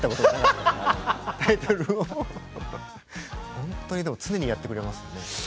ほんとに常にやってくれますよね。